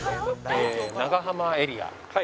長浜エリア。